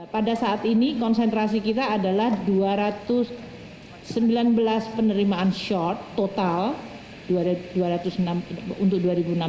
pada saat ini konsentrasi kita adalah dua ratus sembilan belas penerimaan short total untuk dua ribu enam belas